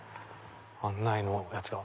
案内のやつが。